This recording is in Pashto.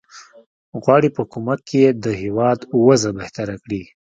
غواړي په کومک یې د هیواد وضع بهتره کړي.